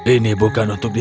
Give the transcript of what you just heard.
ini bukan untukmu